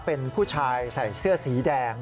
เป็นผู้ชายใส่เสื้อสีแดง